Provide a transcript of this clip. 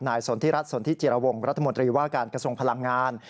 สนทิรัฐสนทิจิรวงรัฐมนตรีว่าการกระทรวงพลังงาน